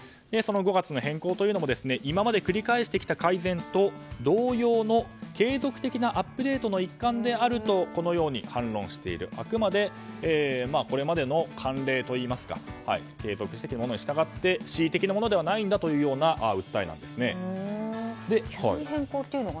その５月の変更というのも今まで繰り返してきた改善と同様の継続的なアップデートの一環であるとこのように反論してあくまでこれまでの範例といいますか恣意的なものではないんだという訴えなんですね。